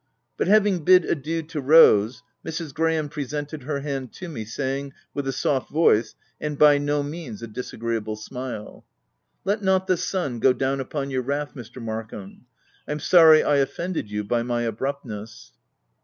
But, having bid adieu to Rose, Mrs. Graham presented her hand to me, saying, with a soft voice, and by no means, a disagreeable smile,— * c Let not the sun go down upon your wrath, Mr. Markham. I'm sorry I offended you by my abruptness."